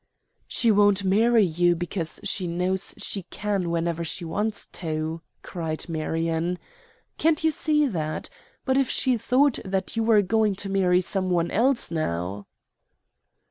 "She won't marry you because she knows she can whenever she wants to;" cried Marion. "Can't you see that? But if she thought you were going to marry some one else now?"